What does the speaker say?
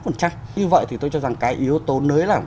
như vậy thì tôi cho rằng cái yếu tố nới lỏng